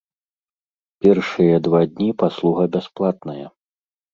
Першыя два дні паслуга бясплатная.